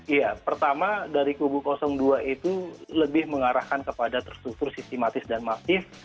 iya pertama dari kubu dua itu lebih mengarahkan kepada terstruktur sistematis dan masif